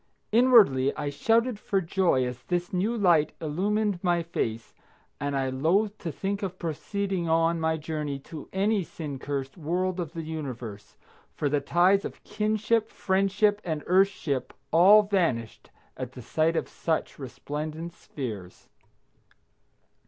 Inwardly I shouted for joy as this new light illumined my face, and I loathed to think of proceeding on my journey to any sin cursed world of the universe, for the ties of kinship, friendship, and earthship all vanished at the sight of such resplendent spheres.